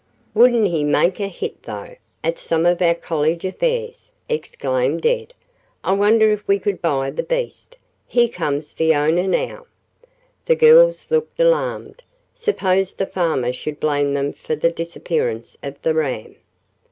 "Wouldn't he make a hit, though, at some of our college affairs!" exclaimed Ed. "I wonder if we could buy the beast? Here comes the owner now." The girls looked alarmed. Suppose the farmer should blame them for the disappearance of the ram!